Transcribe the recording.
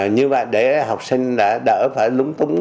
như vậy để học sinh đỡ phải lúng túng